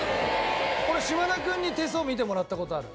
俺島田君に手相見てもらった事ある。